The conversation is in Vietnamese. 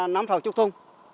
năm sáu chục thùng